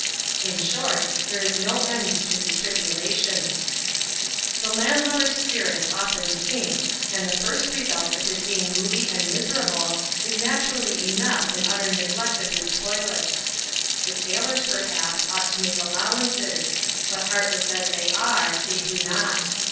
In short, there is no end to his tribulations. The land lubber's spirits often sink, and the first result of his being moody and miserable, is naturally enough an utter neglect of his toilet. The sailors, perhaps, ought to make allowances ; but heartless as they are, they do not.